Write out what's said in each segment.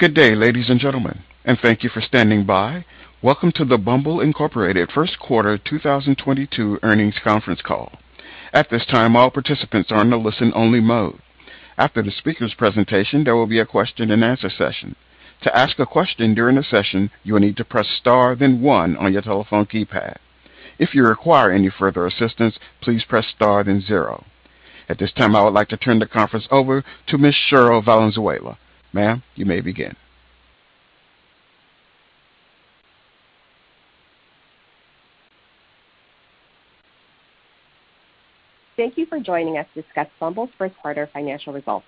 Good day, ladies and gentlemen, and thank you for standing by. Welcome to the Bumble Incorporated First Quarter 2022 Earnings Conference Call. At this time, all participants are in a listen-only mode. After the speaker's presentation, there will be a question-and-answer session. To ask a question during the session, you will need to press star then one on your telephone keypad. If you require any further assistance, please press star then zero. At this time, I would like to turn the conference over to Ms. Cherryl Valenzuela. Ma'am, you may begin. Thank you for joining us to discuss Bumble's First Quarter Financial Results.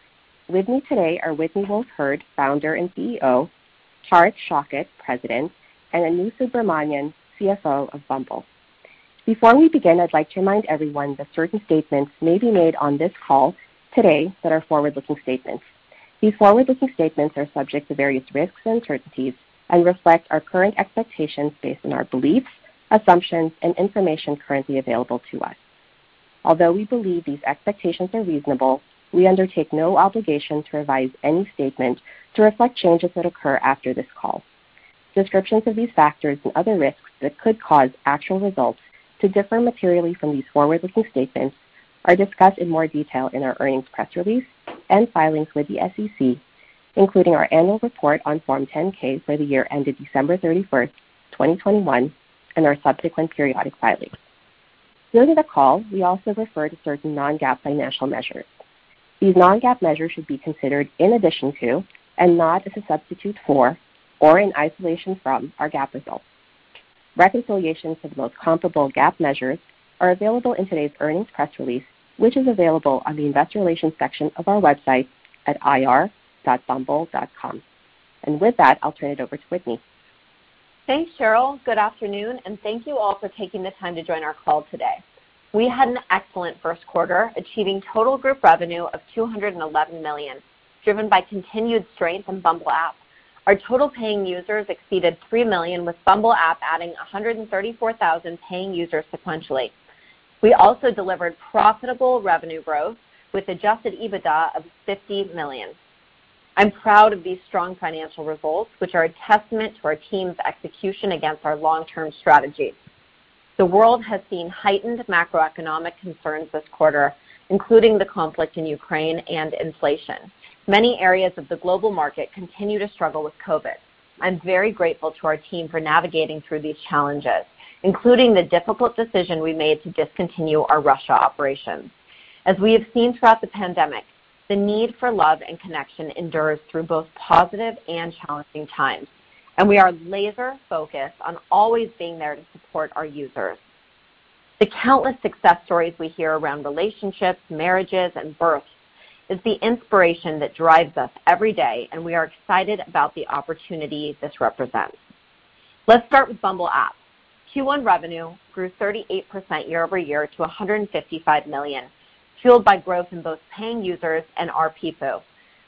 With me today are Whitney Wolfe Herd, founder and CEO, Tariq Shaukat, president, and Anu Subramanian, CFO of Bumble. Before we begin, I'd like to remind everyone that certain statements may be made on this call today that are forward-looking statements. These forward-looking statements are subject to various risks and uncertainties and reflect our current expectations based on our beliefs, assumptions, and information currently available to us. Although we believe these expectations are reasonable, we undertake no obligation to revise any statement to reflect changes that occur after this call. Descriptions of these factors and other risks that could cause actual results to differ materially from these forward-looking statements are discussed in more detail in our earnings press release and filings with the SEC, including our annual report on Form 10-K for the year ended December 31, 2021, and our subsequent periodic filings. During the call, we also refer to certain non-GAAP financial measures. These non-GAAP measures should be considered in addition to and not as a substitute for or in isolation from our GAAP results. Reconciliations to the most comparable GAAP measures are available in today's earnings press release, which is available on the investor relations section of our website at ir.bumble.com. With that, I'll turn it over to Whitney. Thanks, Sheryl. Good afternoon, and thank you all for taking the time to join our call today. We had an excellent first quarter, achieving total group revenue of $211 million, driven by continued strength in Bumble app. Our total paying users exceeded three million, with Bumble app adding 134,000 paying users sequentially. We also delivered profitable revenue growth with Adjusted EBITDA of $50 million. I'm proud of these strong financial results, which are a testament to our team's execution against our long-term strategy. The world has seen heightened macroeconomic concerns this quarter, including the conflict in Ukraine and inflation. Many areas of the global market continue to struggle with COVID. I'm very grateful to our team for navigating through these challenges, including the difficult decision we made to discontinue our Russia operations. As we have seen throughout the pandemic, the need for love and connection endures through both positive and challenging times, and we are laser-focused on always being there to support our users. The countless success stories we hear around relationships, marriages, and births is the inspiration that drives us every day, and we are excited about the opportunity this represents. Let's start with Bumble app. Q1 revenue grew 38% year-over-year to $155 million, fueled by growth in both paying users and RPPU.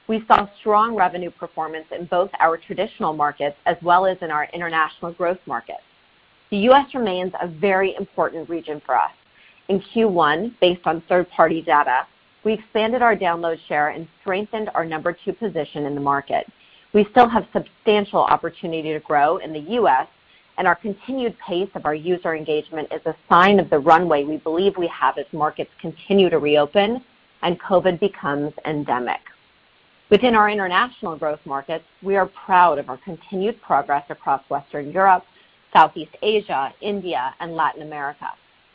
We saw strong revenue performance in both our traditional markets as well as in our international growth markets. The U.S. remains a very important region for us. In Q1, based on third-party data, we expanded our download share and strengthened our number two position in the market. We still have substantial opportunity to grow in the U.S., and our continued pace of our user engagement is a sign of the runway we believe we have as markets continue to reopen and COVID becomes endemic. Within our international growth markets, we are proud of our continued progress across Western Europe, Southeast Asia, India, and Latin America.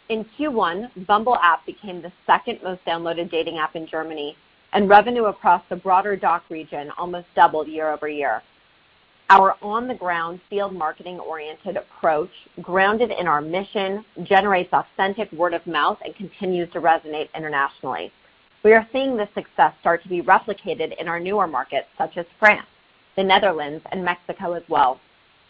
In Q1, Bumble app became the second-most downloaded dating app in Germany, and revenue across the broader DACH region almost doubled year-over-year. Our on-the-ground field marketing-oriented approach, grounded in our mission, generates authentic word-of-mouth and continues to resonate internationally. We are seeing this success start to be replicated in our newer markets such as France, the Netherlands, and Mexico as well.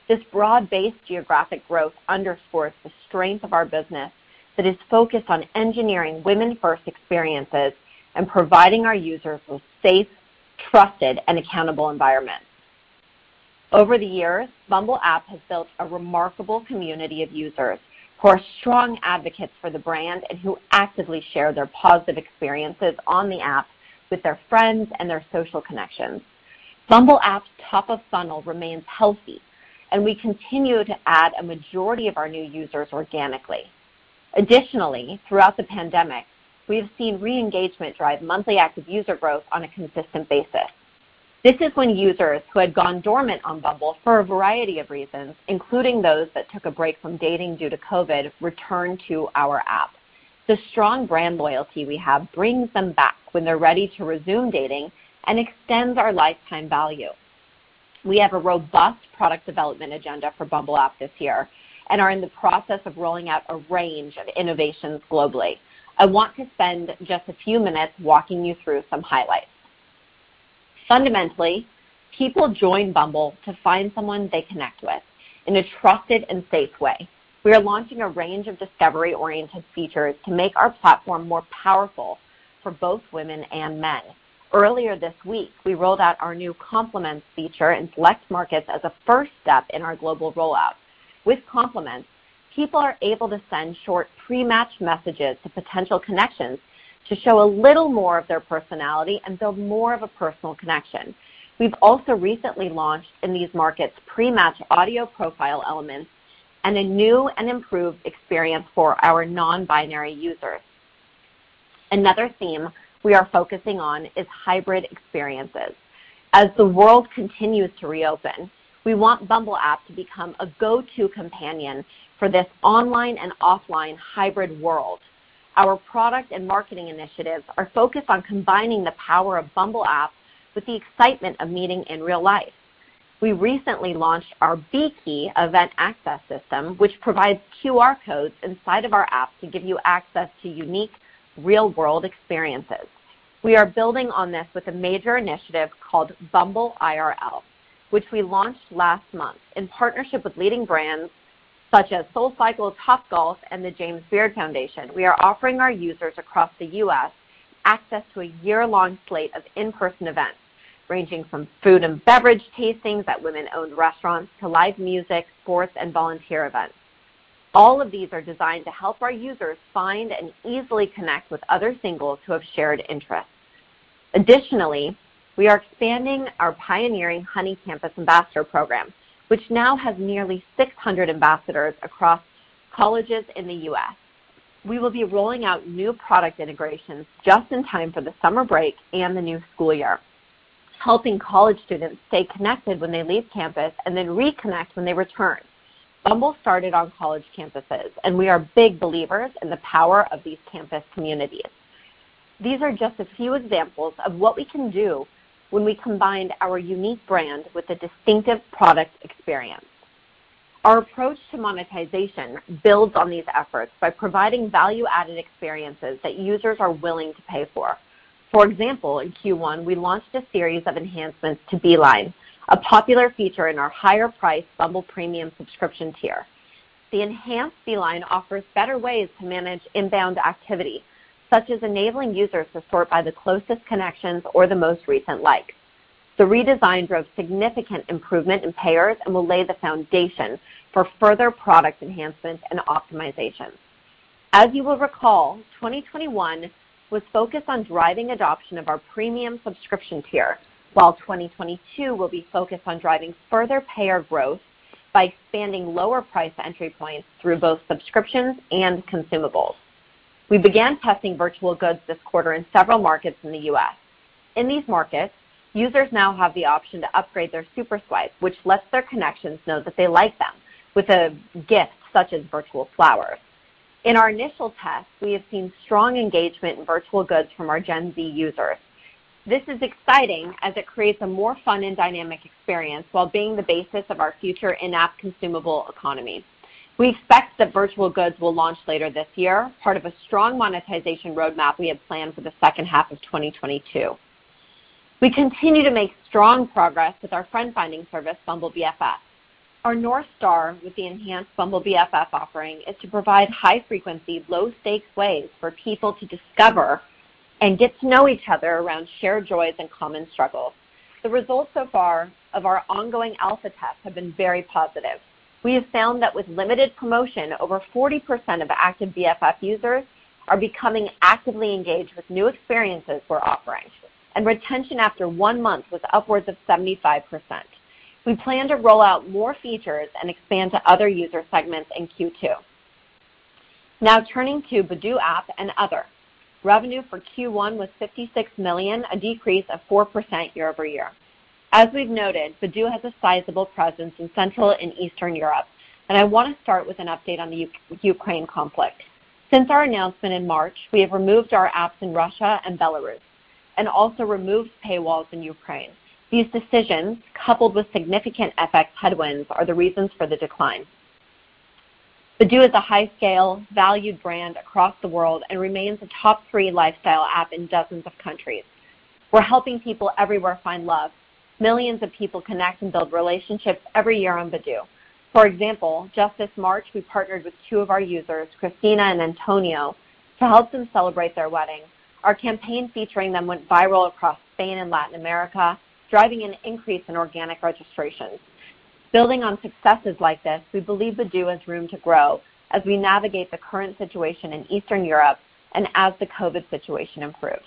This broad-based geographic growth underscores the strength of our business that is focused on engineering women-first experiences and providing our users with safe, trusted, and accountable environments. Over the years, Bumble app has built a remarkable community of users who are strong advocates for the brand and who actively share their positive experiences on the app with their friends and their social connections. Bumble app's top of funnel remains healthy, and we continue to add a majority of our new users organically. Additionally, throughout the pandemic, we have seen re-engagement drive monthly active user growth on a consistent basis. This is when users who had gone dormant on Bumble for a variety of reasons, including those that took a break from dating due to COVID, return to our app. The strong brand loyalty we have brings them back when they're ready to resume dating and extends our lifetime value. We have a robust product development agenda for Bumble app this year and are in the process of rolling out a range of innovations globally. I want to spend just a few minutes walking you through some highlights. Fundamentally, people join Bumble to find someone they connect with in a trusted and safe way. We are launching a range of discovery-oriented features to make our platform more powerful for both women and men. Earlier this week, we rolled out our new Compliments feature in select markets as a first step in our global rollout. With Compliments, people are able to send short pre-match messages to potential connections, to show a little more of their personality and build more of a personal connection. We've also recently launched in these markets pre-match audio profile elements and a new and improved experience for our non-binary users. Another theme we are focusing on is hybrid experiences. As the world continues to reopen, we want Bumble app to become a go-to companion for this online and offline hybrid world. Our product and marketing initiatives are focused on combining the power of Bumble app with the excitement of meeting in real life. We recently launched our Bee Key event access system, which provides QR codes inside of our app to give you access to unique real-world experiences. We are building on this with a major initiative called Bumble IRL, which we launched last month in partnership with leading brands such as SoulCycle, Topgolf, and the James Beard Foundation. We are offering our users across the U.S. access to a year-long slate of in-person events, ranging from food and beverage tastings at women-owned restaurants to live music, sports, and volunteer events. All of these are designed to help our users find and easily connect with other singles who have shared interests. Additionally, we are expanding our pioneering Bumble Honey Campus Ambassador program, which now has nearly 600 ambassadors across colleges in the U.S. We will be rolling out new product integrations just in time for the summer break and the new school year, helping college students stay connected when they leave campus and then reconnect when they return. Bumble started on college campuses, and we are big believers in the power of these campus communities. These are just a few examples of what we can do when we combined our unique brand with a distinctive product experience. Our approach to monetization builds on these efforts by providing value-added experiences that users are willing to pay for. For example, in Q1, we launched a series of enhancements to Beeline, a popular feature in our higher-priced Bumble Premium subscription tier. The enhanced Beeline offers better ways to manage inbound activity, such as enabling users to sort by the closest connections or the most recent like. The redesign drove significant improvement in payers and will lay the foundation for further product enhancements and optimizations. As you will recall, 2021 was focused on driving adoption of our premium subscription tier, while 2022 will be focused on driving further payer growth by expanding lower price entry points through both subscriptions and consumables. We began testing virtual goods this quarter in several markets in the U.S. In these markets, users now have the option to upgrade their SuperSwipe, which lets their connections know that they like them, with a gift such as virtual flowers. In our initial test, we have seen strong engagement in virtual goods from our Gen Z users. This is exciting as it creates a more fun and dynamic experience while being the basis of our future in-app consumable economy. We expect that virtual goods will launch later this year, part of a strong monetization roadmap we have planned for the second half of 2022. We continue to make strong progress with our friend-finding service, Bumble BFF. Our North Star with the enhanced Bumble BFF offering is to provide high-frequency, low-stakes ways for people to discover and get to know each other around shared joys and common struggles. The results so far of our ongoing alpha test have been very positive. We have found that with limited promotion, over 40% of active BFF users are becoming actively engaged with new experiences we're offering, and retention after one month was upwards of 75%. We plan to roll out more features and expand to other user segments in Q2. Now turning to Badoo app and other. Revenue for Q1 was $56 million, a decrease of 4% year-over-year. As we've noted, Badoo has a sizeable presence in Central and Eastern Europe, and I want to start with an update on the Ukraine conflict. Since our announcement in March, we have removed our apps in Russia and Belarus and also removed paywalls in Ukraine. These decisions, coupled with significant FX headwinds, are the reasons for the decline. Badoo is a high-scale, valued brand across the world and remains a top three lifestyle app in dozens of countries. We're helping people everywhere find love. Millions of people connect and build relationships every year on Badoo. For example, just this March, we partnered with two of our users, Christina and Antonio, to help them celebrate their wedding. Our campaign featuring them went viral across Spain and Latin America, driving an increase in organic registrations. Building on successes like this, we believe Badoo has room to grow as we navigate the current situation in Eastern Europe and as the COVID situation improves.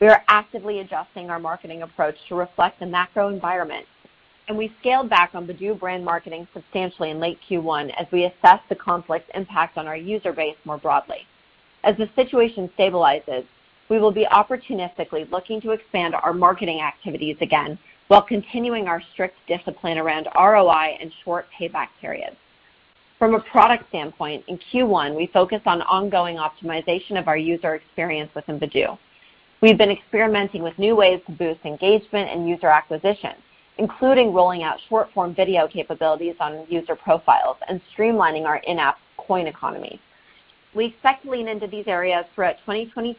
We are actively adjusting our marketing approach to reflect the macro environment, and we scaled back on Badoo brand marketing substantially in late Q1 as we assess the conflict's impact on our user base more broadly. As the situation stabilizes, we will be opportunistically looking to expand our marketing activities again while continuing our strict discipline around ROI and short payback periods. From a product standpoint, in Q1, we focused on ongoing optimization of our user experience within Badoo. We've been experimenting with new ways to boost engagement and user acquisition, including rolling out short-form video capabilities on user profiles and streamlining our in-app coin economy. We expect to lean into these areas throughout 2022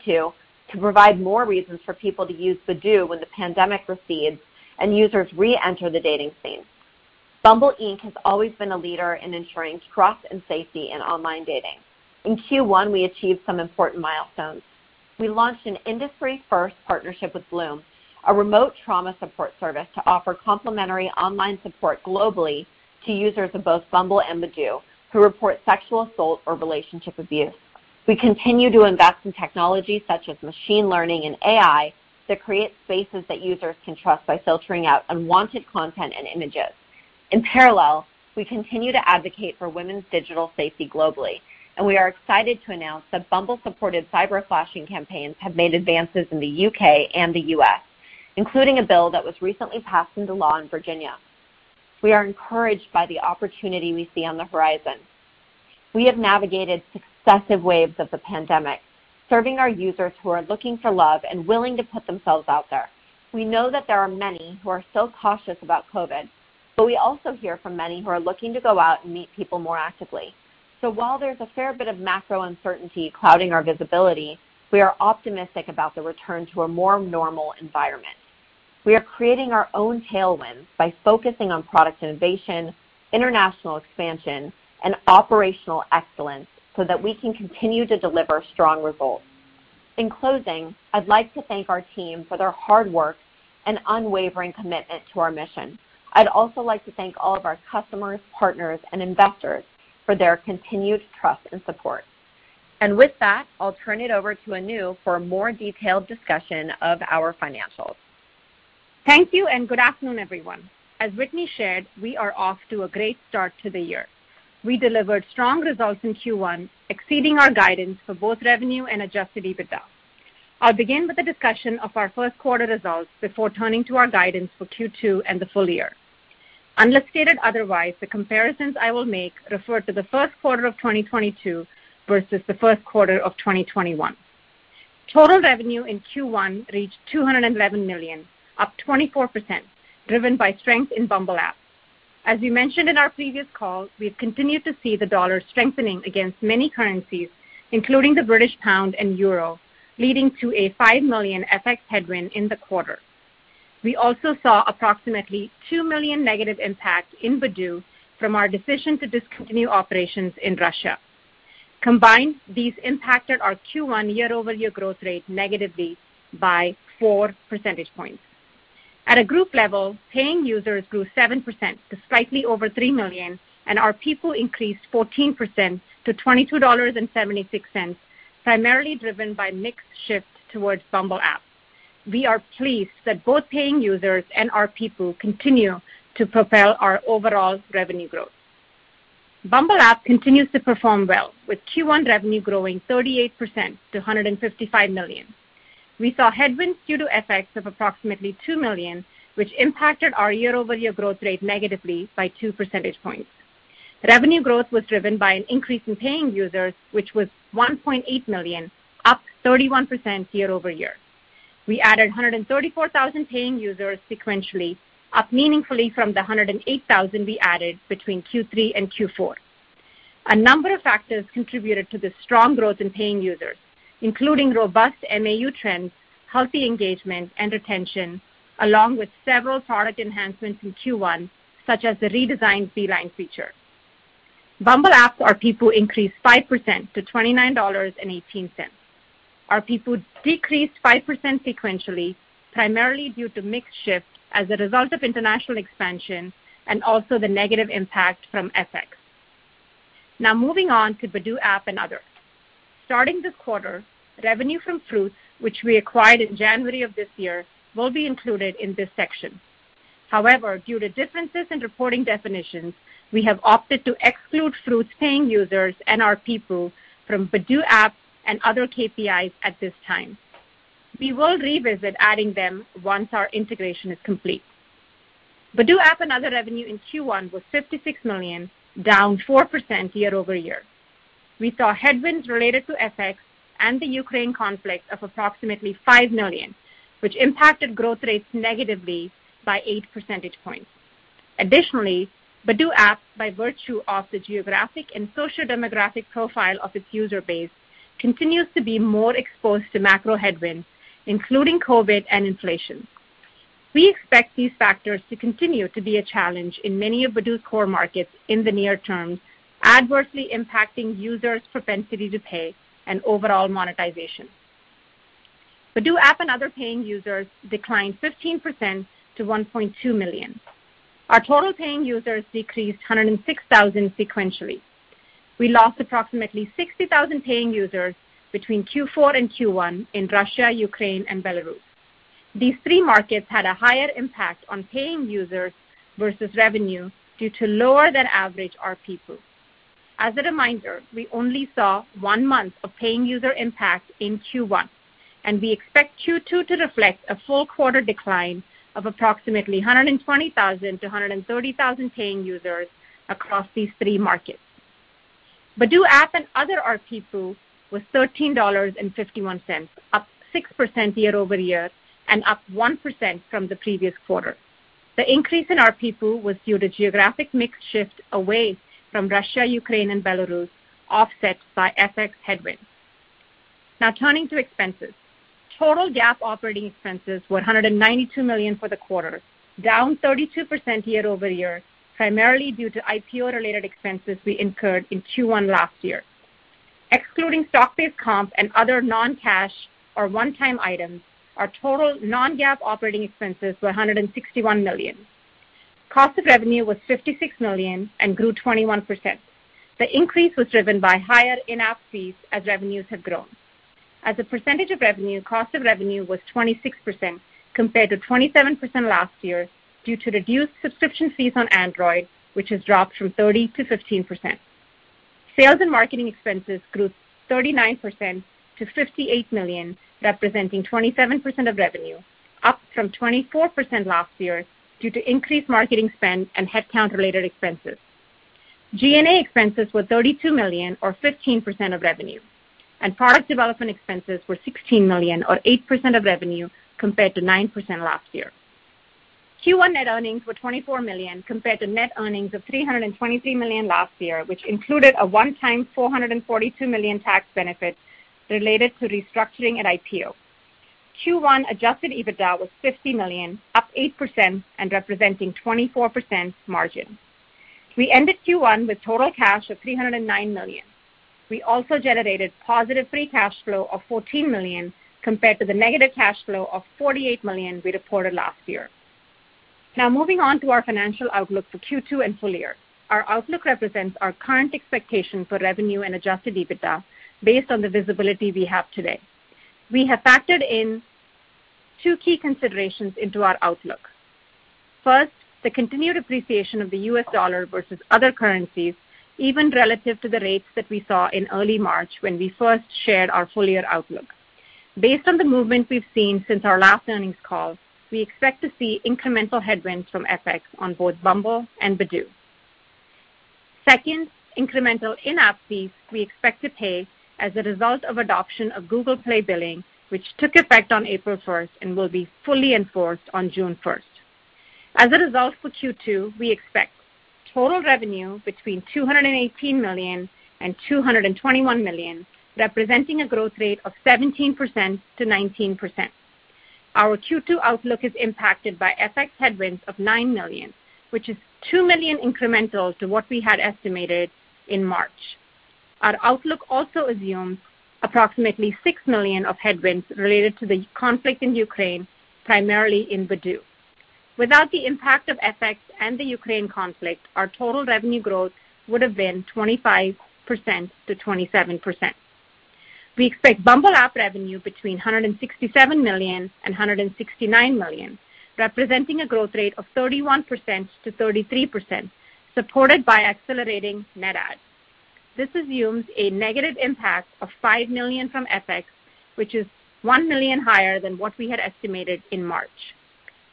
to provide more reasons for people to use Badoo when the pandemic recedes and users reenter the dating scene. Bumble Inc. has always been a leader in ensuring trust and safety in online dating. In Q1, we achieved some important milestones. We launched an industry-first partnership with Bloom, a remote trauma support service, to offer complimentary online support globally to users of both Bumble and Badoo who report sexual assault or relationship abuse. We continue to invest in technology such as machine learning and AI that create spaces that users can trust by filtering out unwanted content and images. In parallel, we continue to advocate for women's digital safety globally, and we are excited to announce that Bumble supported cyber flashing campaigns have made advances in the U.K. and the U.S., including a bill that was recently passed into law in Virginia. We are encouraged by the opportunity we see on the horizon. We have navigated successive waves of the pandemic, serving our users who are looking for love and willing to put themselves out there. We know that there are many who are still cautious about COVID, but we also hear from many who are looking to go out and meet people more actively. While there's a fair bit of macro uncertainty clouding our visibility, we are optimistic about the return to a more normal environment. We are creating our own tailwind by focusing on product innovation, international expansion and operational excellence so that we can continue to deliver strong results. In closing, I'd like to thank our team for their hard work and unwavering commitment to our mission. I'd also like to thank all of our customers, partners, and investors for their continued trust and support. With that, I'll turn it over to Anu for a more detailed discussion of our financials. Thank you and good afternoon, everyone. As Whitney shared, we are off to a great start to the year. We delivered strong results in Q1, exceeding our guidance for both revenue and Adjusted EBITDA. I'll begin with a discussion of our first quarter results before turning to our guidance for Q2 and the full year. Unless stated otherwise, the comparisons I will make refer to the first quarter of 2022 versus the first quarter of 2021. Total revenue in Q1 reached $211 million, up 24%, driven by strength in Bumble app. As we mentioned in our previous call, we've continued to see the dollar strengthening against many currencies, including the British pound and euro, leading to a $5 million FX headwind in the quarter. We also saw approximately $2 million negative impact in Badoo from our decision to discontinue operations in Russia. Combined, these impacted our Q1 year-over-year growth rate negatively by 4 percentage points. At a group level, paying users grew 7% to slightly over three million, and our ARPPU increased 14% to $22.76, primarily driven by mix shifts towards Bumble app. We are pleased that both paying users and our ARPPU continue to propel our overall revenue growth. Bumble app continues to perform well, with Q1 revenue growing 38% to $155 million. We saw headwinds due to effects of approximately $2 million, which impacted our year-over-year growth rate negatively by 2 percentage points. Revenue growth was driven by an increase in paying users, which was 1.8 million, up 31% year-over-year. We added 134,000 paying users sequentially, up meaningfully from the 108,000 we added between Q3 and Q4. A number of factors contributed to the strong growth in paying users, including robust MAU trends, healthy engagement and retention, along with several product enhancements in Q1, such as the redesigned Beeline feature. Bumble apps ARPPU increased 5% to $29.18. ARPPU decreased 5% sequentially, primarily due to mix shift as a result of international expansion and also the negative impact from FX. Now moving on to Badoo app and others. Starting this quarter, revenue from Fruitz, which we acquired in January of this year, will be included in this section. However, due to differences in reporting definitions, we have opted to exclude Fruitz's paying users and ARPPU from Badoo app and other KPIs at this time. We will revisit adding them once our integration is complete. Badoo app and other revenue in Q1 was $56 million, down 4% year over year. We saw headwinds related to FX and the Ukraine conflict of approximately $5 million, which impacted growth rates negatively by 8 percentage points. Additionally, Badoo app, by virtue of the geographic and sociodemographic profile of its user base, continues to be more exposed to macro headwinds, including COVID and inflation. We expect these factors to continue to be a challenge in many of Badoo's core markets in the near term, adversely impacting users' propensity to pay and overall monetization. Badoo app and other paying users declined 15% to 1.2 million. Our total paying users decreased 106,000 sequentially. We lost approximately 60,000 paying users between Q4 and Q1 in Russia, Ukraine and Belarus. These three markets had a higher impact on paying users versus revenue due to lower than average RPPU. As a reminder, we only saw one month of paying user impact in Q1, and we expect Q2 to reflect a full quarter decline of approximately 120,000-130,000 paying users across these three markets. Badoo app and other RPPU was $13.51, up 6% year-over-year and up 1% from the previous quarter. The increase in RPPU was due to geographic mix shift away from Russia, Ukraine and Belarus, offset by FX headwind. Now turning to expenses. Total GAAP operating expenses were $192 million for the quarter, down 32% year-over-year, primarily due to IPO-related expenses we incurred in Q1 last year. Excluding stock-based comp and other non-cash or one-time items, our total non-GAAP operating expenses were $161 million. Cost of revenue was $56 million and grew 21%. The increase was driven by higher in-app fees as revenues have grown. As a percentage of revenue, cost of revenue was 26% compared to 27% last year due to reduced subscription fees on Android, which has dropped from 30% to 15%. Sales and marketing expenses grew 39% to $58 million, representing 27% of revenue, up from 24% last year due to increased marketing spend and headcount-related expenses. G&A expenses were $32 million or 15% of revenue, and product development expenses were $16 million or 8% of revenue compared to 9% last year. Q1 net earnings were $24 million compared to net earnings of $323 million last year, which included a one-time $442 million tax benefit related to restructuring at IPO. Q1 Adjusted EBITDA was $50 million, up 8% and representing 24% margin. We ended Q1 with total cash of $309 million. We also generated positive free cash flow of $14 million compared to the negative cash flow of $48 million we reported last year. Now moving on to our financial outlook for Q2 and full year. Our outlook represents our current expectation for revenue and Adjusted EBITDA based on the visibility we have today. We have factored in two key considerations into our outlook. First, the continued appreciation of the U.S. dollar versus other currencies, even relative to the rates that we saw in early March when we first shared our full-year outlook. Based on the movement we've seen since our last earnings call, we expect to see incremental headwinds from FX on both Bumble and Badoo. Second, incremental in-app fees we expect to pay as a result of adoption of Google Play billing, which took effect on April first and will be fully enforced on June first. As a result, for Q2, we expect total revenue between $218 million and $221 million, representing a growth rate of 17%-19%. Our Q2 outlook is impacted by FX headwinds of $9 million, which is $2 million incremental to what we had estimated in March. Our outlook also assumes approximately $6 million of headwinds related to the conflict in Ukraine, primarily in Badoo. Without the impact of FX and the Ukraine conflict, our total revenue growth would have been 25%-27%. We expect Bumble app revenue between $167 million and $169 million, representing a growth rate of 31%-33%, supported by accelerating net adds. This assumes a negative impact of $5 million from FX, which is $1 million higher than what we had estimated in March.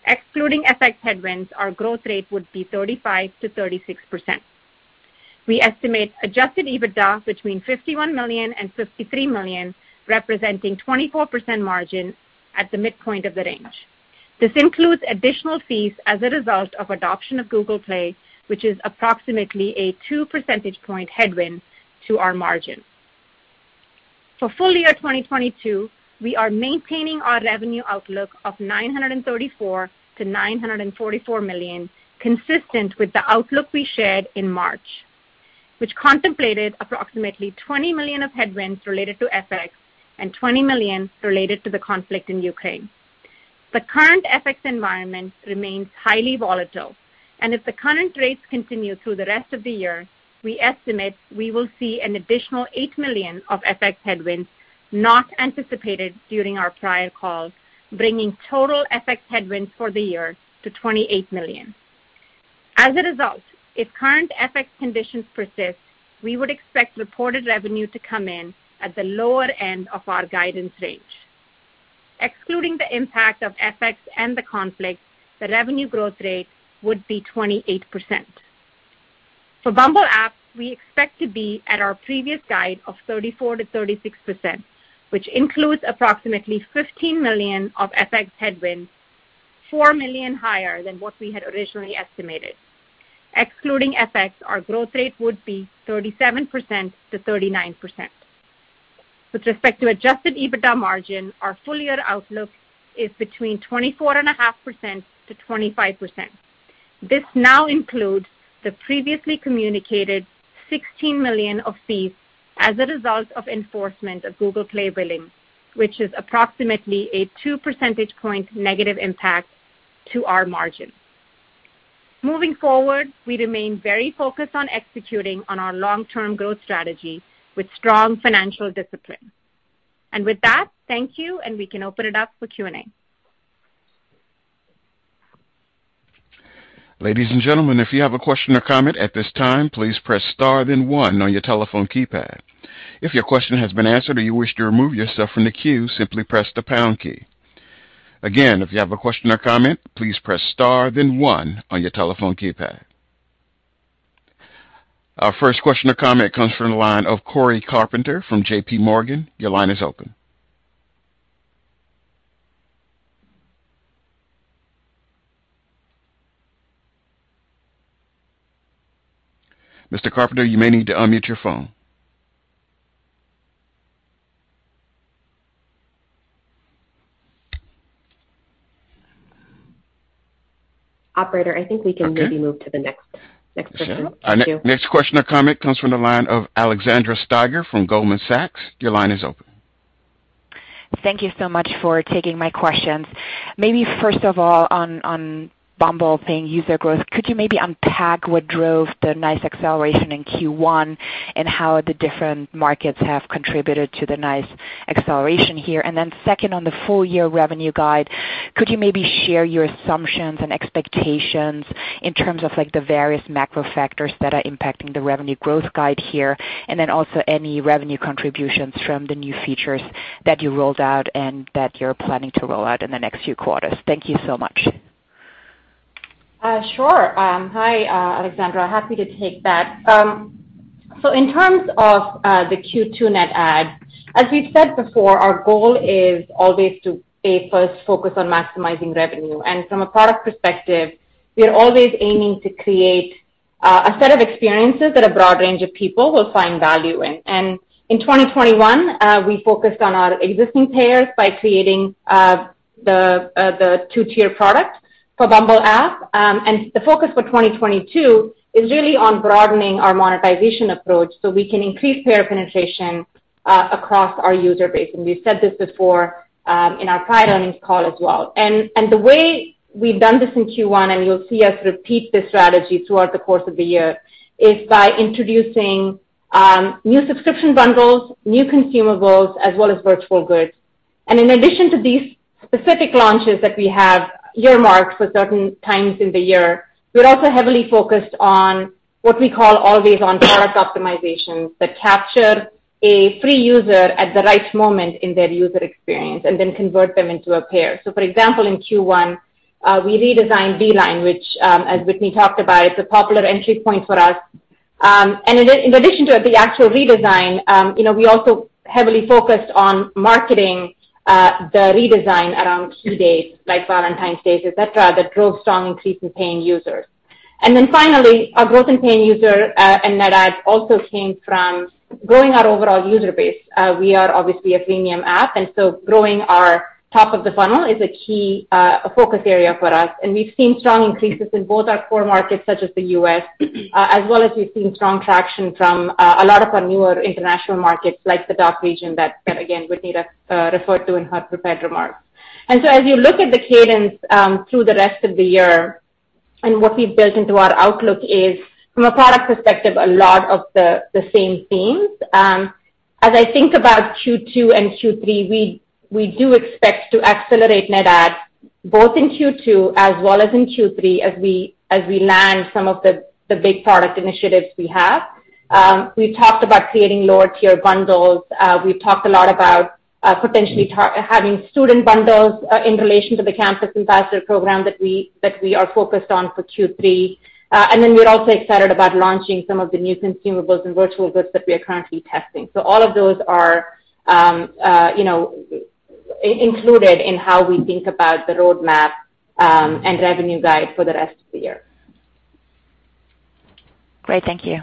Excluding FX headwinds, our growth rate would be 35%-36%. We estimate Adjusted EBITDA between $51 million and $53 million, representing 24% margin at the midpoint of the range. This includes additional fees as a result of adoption of Google Play, which is approximately a two percentage point headwind to our margin. For full year 2022, we are maintaining our revenue outlook of $934 million-$944 million, consistent with the outlook we shared in March, which contemplated approximately $20 million of headwinds related to FX and $20 million related to the conflict in Ukraine. The current FX environment remains highly volatile, and if the current rates continue through the rest of the year, we estimate we will see an additional $8 million of FX headwinds not anticipated during our prior calls, bringing total FX headwinds for the year to $28 million. As a result, if current FX conditions persist, we would expect reported revenue to come in at the lower end of our guidance range. Excluding the impact of FX and the conflict, the revenue growth rate would be 28%. For Bumble app, we expect to be at our previous guide of 34%-36%, which includes approximately $15 million of FX headwinds, $4 million higher than what we had originally estimated. Excluding FX, our growth rate would be 37%-39%. With respect to adjusted EBITDA margin, our full year outlook is 24.5%-25%. This now includes the previously communicated $16 million of fees as a result of enforcement of Google Play billing, which is approximately a two percentage points negative impact to our margin. Moving forward, we remain very focused on executing on our long-term growth strategy with strong financial discipline. With that, thank you, and we can open it up for Q&A. Ladies and gentlemen, if you have a question or comment at this time, please press star then one on your telephone keypad. If your question has been answered or you wish to remove yourself from the queue, simply press the pound key. Again, if you have a question or comment, please press star then one on your telephone keypad. Our first question or comment comes from the line of Cory Carpenter from JPMorgan. Your line is open. Mr. Carpenter, you may need to unmute your phone. Operator, I think we can maybe move to the next person. Thank you. Our next question or comment comes from the line of Alexandra Steiger from Goldman Sachs. Your line is open. Thank you so much for taking my questions. Maybe first of all on Bumble paying user growth, could you maybe unpack what drove the nice acceleration in Q1 and how the different markets have contributed to the nice acceleration here? Then second, on the full year revenue guide, could you maybe share your assumptions and expectations in terms of like the various macro factors that are impacting the revenue growth guide here, and then also any revenue contributions from the new features that you rolled out and that you're planning to roll out in the next few quarters? Thank you so much. Sure. Hi, Alexandra. Happy to take that. So in terms of the Q2 net add, as we've said before, our goal is always to stay first focused on maximizing revenue. From a product perspective, we're always aiming to create a set of experiences that a broad range of people will find value in. In 2021, we focused on our existing payers by creating the two-tier product for Bumble app. The focus for 2022 is really on broadening our monetization approach so we can increase payer penetration across our user base. We've said this before in our prior earnings call as well. The way we've done this in Q1, and you'll see us repeat this strategy throughout the course of the year, is by introducing new subscription bundles, new consumables, as well as virtual goods. In addition to these specific launches that we have earmarked for certain times in the year, we're also heavily focused on what we call always on product optimizations that capture a free user at the right moment in their user experience and then convert them into a payer. For example, in Q1, we redesigned Beeline, which, as Whitney talked about, is a popular entry point for us. In addition to the actual redesign, you know, we also heavily focused on marketing the redesign around key dates like Valentine's Day, et cetera, that drove strong increase in paying users. Finally, our growth in paying user and net adds also came from growing our overall user base. We are obviously a freemium app, and so growing our top of the funnel is a key focus area for us. We've seen strong increases in both our core markets such as the U.S., as well as we've seen strong traction from a lot of our newer international markets like the DACH region that again, Whitney referred to in her prepared remarks. As you look at the cadence through the rest of the year and what we've built into our outlook is, from a product perspective, a lot of the same themes. As I think about Q2 and Q3, we do expect to accelerate net adds both in Q2 as well as in Q3 as we land some of the big product initiatives we have. We've talked about creating lower tier bundles. We've talked a lot about potentially having student bundles in relation to the campus ambassador program that we are focused on for Q3. We're also excited about launching some of the new consumables and virtual goods that we are currently testing. All of those are, you know, included in how we think about the roadmap and revenue guide for the rest of the year. Great. Thank you.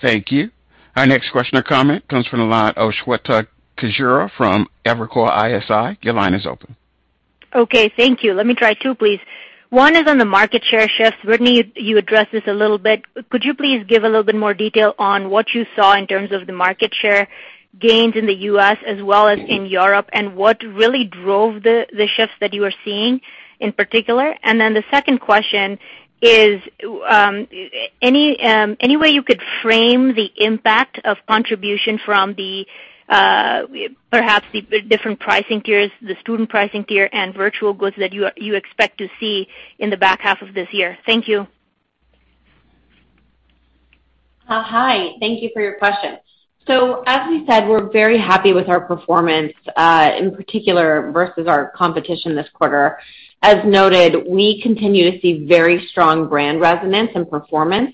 Thank you. Our next question or comment comes from the line of Shweta Khajuria from Evercore ISI. Your line is open. Okay. Thank you. Let me try two, please. One is on the market share shift. Whitney, you addressed this a little bit. Could you please give a little bit more detail on what you saw in terms of the market share gains in the U.S. as well as in Europe, and what really drove the shifts that you are seeing in particular? The second question is, any way you could frame the impact of contribution from perhaps the different pricing tiers, the student pricing tier and virtual goods that you expect to see in the back half of this year? Thank you. Hi. Thank you for your question. As we said, we're very happy with our performance, in particular versus our competition this quarter. As noted, we continue to see very strong brand resonance and performance,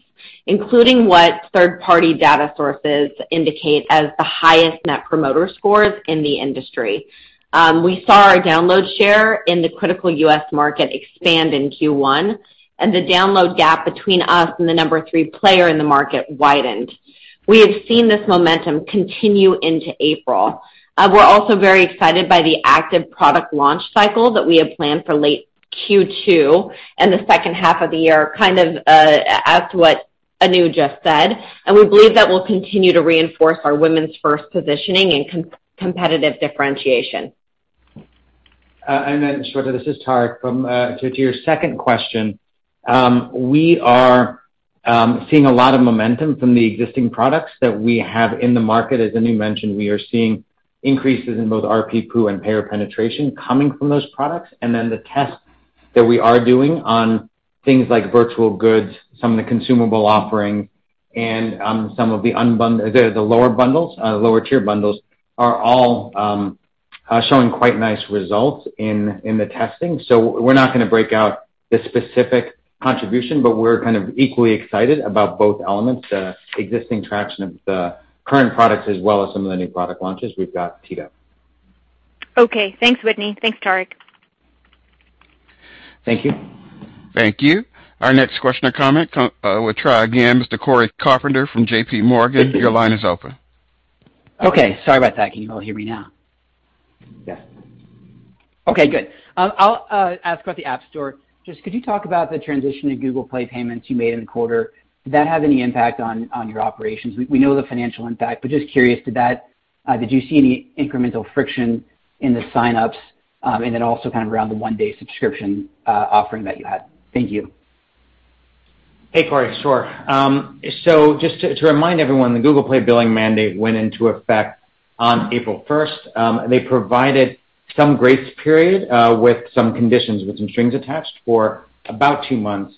including what third-party data sources indicate as the highest net promoter scores in the industry. We saw our download share in the critical U.S. market expand in Q1, and the download gap between us and the number three player in the market widened. We have seen this momentum continue into April. We're also very excited by the active product launch cycle that we have planned for late Q2 and the second half of the year, as to what Anu just said. We believe that will continue to reinforce our women's first positioning and competitive differentiation. Shweta, this is Tariq. To your second question, we are seeing a lot of momentum from the existing products that we have in the market. As Anu mentioned, we are seeing increases in both RPPU and payer penetration coming from those products. The tests that we are doing on things like virtual goods, some of the consumable offerings, and some of the lower bundles, lower tier bundles are all showing quite nice results in the testing. We're not gonna break out the specific contribution, but we're kind of equally excited about both elements, the existing traction of the current products as well as some of the new product launches we've got teed up. Okay. Thanks, Whitney. Thanks, Tariq. Thank you. Thank you. Our next question or comment comes, we'll try again, Mr. Cory Carpenter from JPMorgan. Your line is open. Okay. Sorry about that. Can you all hear me now? Yes. Okay, good. I'll ask about the App Store. Just could you talk about the transition to Google Play payments you made in the quarter? Did that have any impact on your operations? We know the financial impact, but just curious, did you see any incremental friction in the sign-ups? And then also kind of around the one-day subscription offering that you had. Thank you. Hey, Cory. Sure. Just to remind everyone, the Google Play billing mandate went into effect on April 1st. They provided some grace period with some conditions, strings attached for about two months.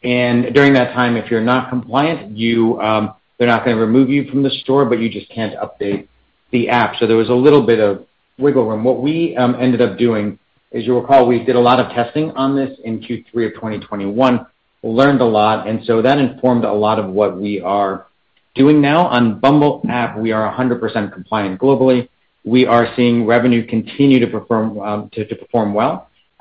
During that time, if you're not compliant, they're not gonna remove you from the store, but you just can't update the app. There was a little bit of wiggle room. What we ended up doing, as you'll recall, we did a lot of testing on this in Q3 of 2021, learned a lot, and so that informed a lot of what we are doing now. On Bumble app, we are 100% compliant globally. We are seeing revenue continue to perform well.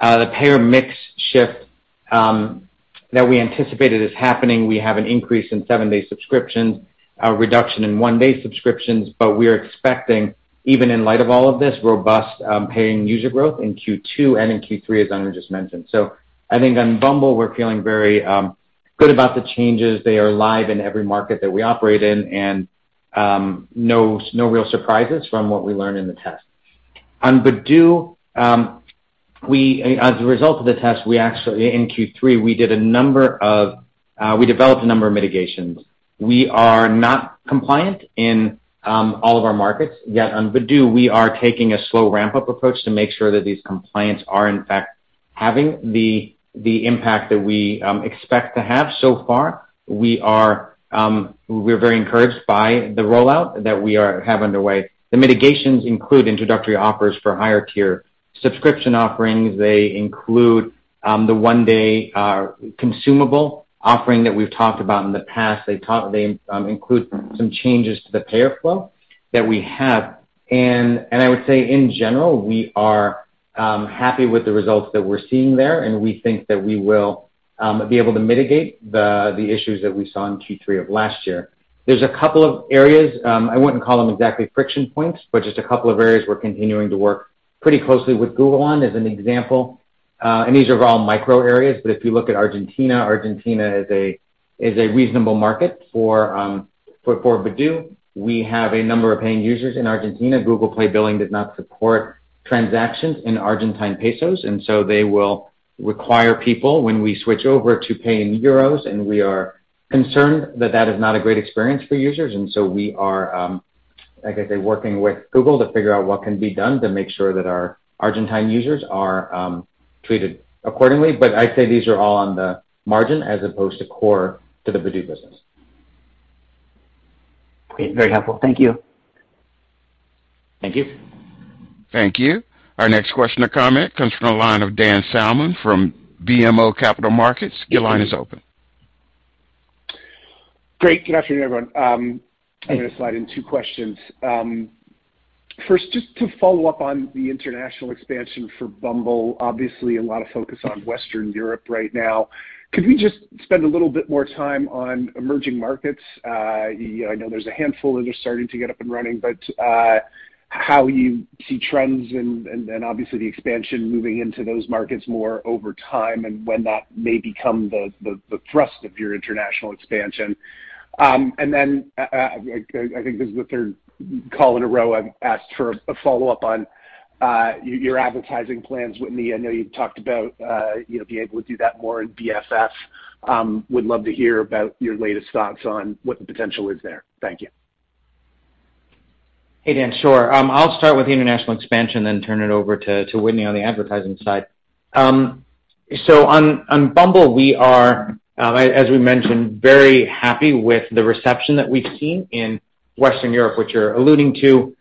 The payer mix shift that we anticipated is happening. We have an increase in seven-day subscriptions, a reduction in one-day subscriptions, but we're expecting, even in light of all of this, robust paying user growth in Q2 and in Q3, as Anu just mentioned. I think on Bumble, we're feeling very good about the changes. They are live in every market that we operate in and no real surprises from what we learned in the test. On Badoo, we, as a result of the test, we actually, in Q3, we developed a number of mitigations. We are not compliant in all of our markets yet. On Badoo, we are taking a slow ramp-up approach to make sure that these compliance are in fact having the impact that we expect to have so far. We are very encouraged by the rollout that we have underway. The mitigations include introductory offers for higher tier subscription offerings. They include the one-day consumable offering that we've talked about in the past. They include some changes to the payer flow that we have. I would say in general, we are happy with the results that we're seeing there, and we think that we will be able to mitigate the issues that we saw in Q3 of last year. There's a couple of areas I wouldn't call them exactly friction points, but just a couple of areas we're continuing to work pretty closely with Google on, as an example. These are all micro areas, but if you look at Argentina is a reasonable market for Badoo. We have a number of paying users in Argentina. Google Play billing does not support transactions in Argentine pesos, and so they will require people, when we switch over, to pay in euros, and we are concerned that that is not a great experience for users. We are, like I say, working with Google to figure out what can be done to make sure that our Argentine users are, treated accordingly. I'd say these are all on the margin as opposed to core to the Badoo business. Okay. Very helpful. Thank you. Thank you. Thank you. Our next question or comment comes from the line of Dan Salmon from BMO Capital Markets. Your line is open. Great. Good afternoon, everyone. I'm gonna slide in two questions. First, just to follow up on the international expansion for Bumble, obviously a lot of focus on Western Europe right now. Could we just spend a little bit more time on emerging markets? You know, I know there's a handful that are starting to get up and running, but how you see trends and obviously the expansion moving into those markets more over time and when that may become the thrust of your international expansion. And then, I think this is the third call in a row I've asked for a follow-up on your advertising plans, Whitney. I know you've talked about you know, being able to do that more in BFF. Would love to hear about your latest thoughts on what the potential is there. Thank you. Hey, Dan. Sure. I'll start with the international expansion, then turn it over to Whitney on the advertising side. On Bumble, we are, as we mentioned, very happy with the reception that we've seen in Western Europe, which you're alluding to.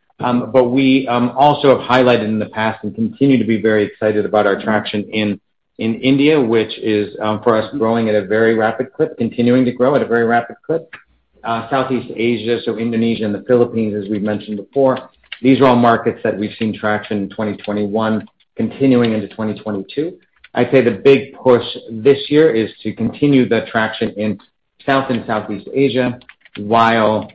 We also have highlighted in the past and continue to be very excited about our traction in India, which is, for us, growing at a very rapid clip, continuing to grow at a very rapid clip. Southeast Asia, so Indonesia and the Philippines, as we've mentioned before, these are all markets that we've seen traction in 2021 continuing into 2022. I'd say the big push this year is to continue the traction in South and Southeast Asia while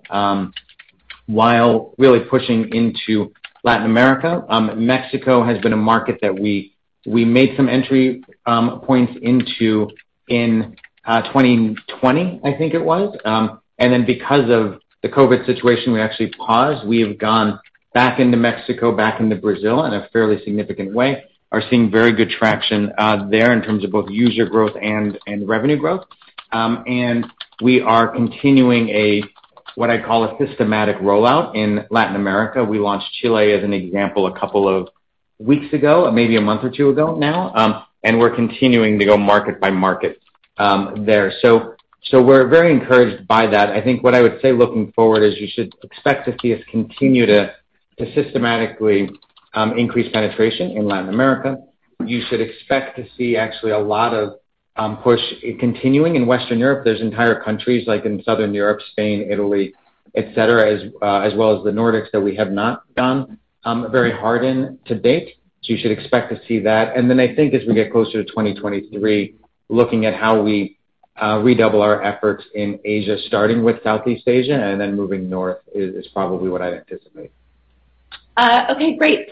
really pushing into Latin America. Mexico has been a market that we made some entry points into in 2020, I think it was. Then because of the COVID situation, we actually paused. We have gone back into Mexico, back into Brazil in a fairly significant way and are seeing very good traction there in terms of both user growth and revenue growth. We are continuing what I call a systematic rollout in Latin America. We launched Chile, as an example, a couple of weeks ago, maybe a month or two ago now, and we're continuing to go market by market there. We're very encouraged by that. I think what I would say looking forward is you should expect to see us continue to systematically increase penetration in Latin America. You should expect to see actually a lot of push continuing in Western Europe. There's entire countries like in Southern Europe, Spain, Italy, et cetera, as well as the Nordics that we have not gone very hard in to date. You should expect to see that. I think as we get closer to 2023, looking at how we redouble our efforts in Asia, starting with Southeast Asia and then moving north is probably what I'd anticipate. Okay, great.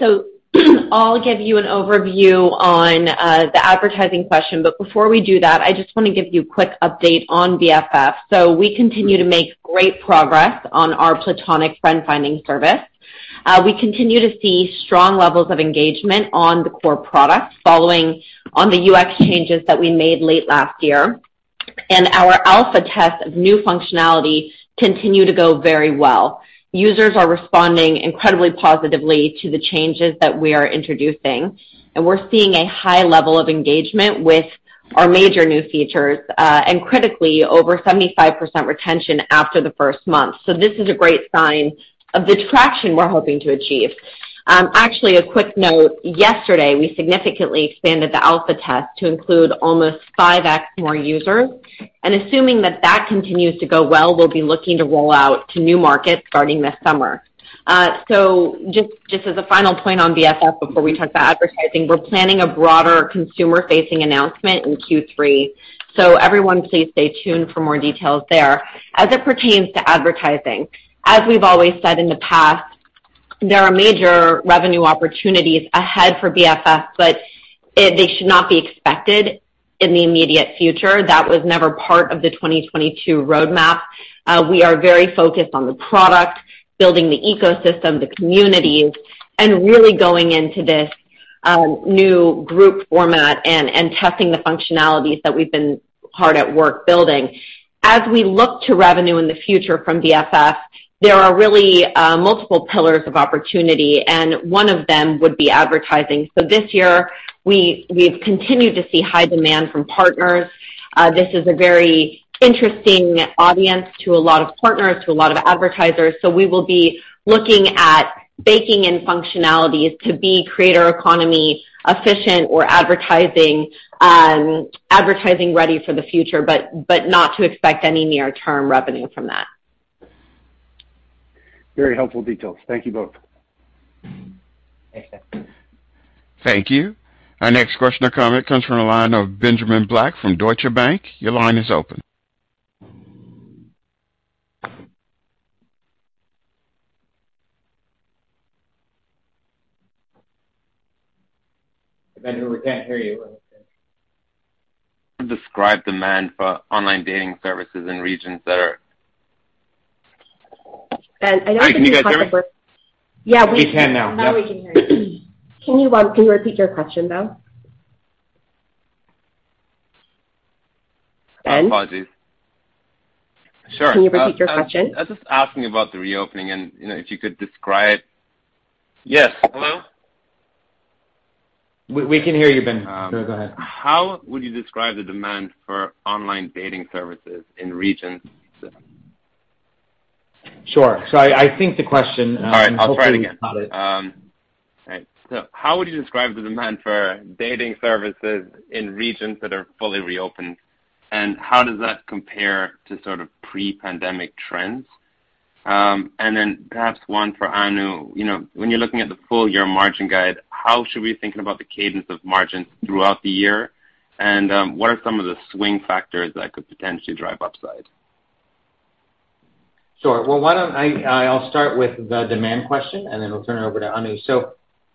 I'll give you an overview on the advertising question, but before we do that, I just wanna give you a quick update on BFF. We continue to make great progress on our platonic friend-finding service. We continue to see strong levels of engagement on the core product following on the UX changes that we made late last year. Our alpha test of new functionality continue to go very well. Users are responding incredibly positively to the changes that we are introducing, and we're seeing a high level of engagement with our major new features, and critically, over 75% retention after the first month. This is a great sign of the traction we're hoping to achieve. Actually, a quick note. Yesterday, we significantly expanded the alpha test to include almost 5x more users, and assuming that that continues to go well, we'll be looking to roll out to new markets starting this summer. Just as a final point on BFF before we talk about advertising, we're planning a broader consumer-facing announcement in Q3. Everyone please stay tuned for more details there. As it pertains to advertising, as we've always said in the past, there are major revenue opportunities ahead for BFF, but they should not be expected in the immediate future. That was never part of the 2022 roadmap. We are very focused on the product, building the ecosystem, the communities, and really going into this new group format and testing the functionalities that we've been hard at work building. As we look to revenue in the future from BFF, there are really multiple pillars of opportunity, and one of them would be advertising. This year we've continued to see high demand from partners. This is a very interesting audience to a lot of partners, to a lot of advertisers. We will be looking at baking in functionalities to be creator economy efficient or advertising ready for the future, but not to expect any near-term revenue from that. Very helpful details. Thank you both. Thanks, Dan Salmon. Thank you. Our next question or comment comes from the line of Benjamin Black from Deutsche Bank. Your line is open. Benjamin, we can't hear you. Describe demand for online dating services in regions that are. Ben, I know. Can you guys hear me? Yeah. We can now. Now we can hear you. Can you repeat your question, though? Ben? Apologies. Sure. Can you repeat your question? I was just asking about the reopening and, you know, if you could describe. Yes. Hello? We can hear you, Ben. Go ahead. How would you describe the demand for online dating services in regions? Sure. I think the question, and hopefully. How would you describe the demand for dating services in regions that are fully reopened, and how does that compare to sort of pre-pandemic trends? And then perhaps one for Anu. You know, when you're looking at the full year margin guide, how should we be thinking about the cadence of margins throughout the year? And, what are some of the swing factors that could potentially drive upside? Sure. Well, why don't I'll start with the demand question, and then we'll turn it over to Anu.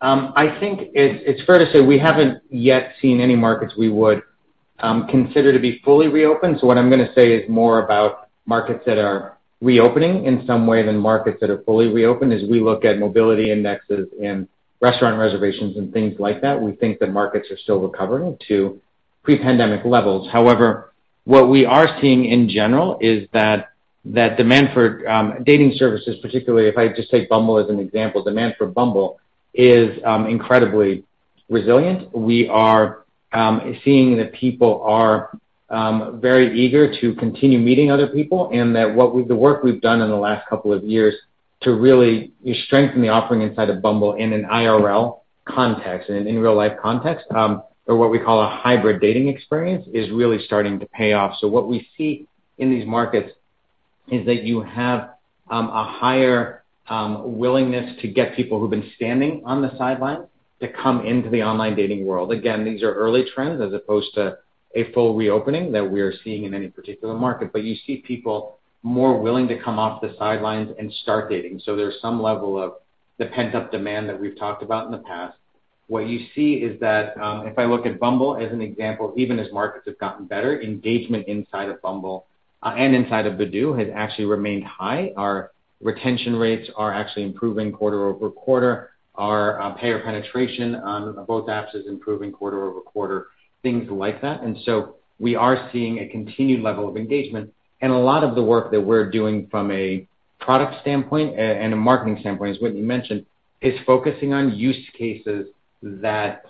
I think it's fair to say we haven't yet seen any markets we would consider to be fully reopened. What I'm gonna say is more about markets that are reopening in some way than markets that are fully reopened. As we look at mobility indexes and restaurant reservations and things like that, we think the markets are still recovering to pre-pandemic levels. However, what we are seeing in general is that demand for dating services, particularly if I just take Bumble as an example, demand for Bumble is incredibly resilient. We are seeing that people are very eager to continue meeting other people and that the work we've done in the last couple of years to really strengthen the offering inside of Bumble in an IRL context, in an in real life context, or what we call a hybrid dating experience, is really starting to pay off. What we see in these markets is that you have a higher willingness to get people who've been standing on the sidelines to come into the online dating world. Again, these are early trends as opposed to a full reopening that we are seeing in any particular market. You see people more willing to come off the sidelines and start dating. There's some level of the pent-up demand that we've talked about in the past. What you see is that, if I look at Bumble as an example, even as markets have gotten better, engagement inside of Bumble, and inside of Badoo has actually remained high. Our retention rates are actually improving quarter-over-quarter. Our payer penetration on both apps is improving quarter-over-quarter, things like that. We are seeing a continued level of engagement. A lot of the work that we're doing from a product standpoint and a marketing standpoint is what you mentioned, is focusing on use cases that